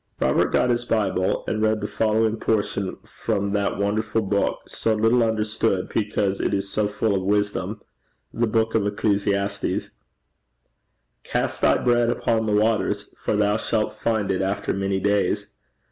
Robert got his Bible, and read the following portion from that wonderful book, so little understood, because it is so full of wisdom the Book of Ecclesiastes: 'Cast thy bread upon the waters: for thou shalt find it after many days.